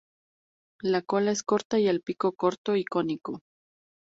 La cola es corta y el pico, corto y cónico.